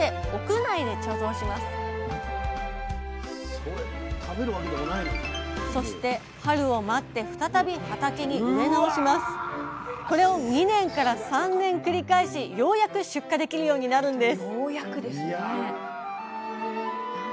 そのためそしてこれを２年から３年繰り返しようやく出荷できるようになるんです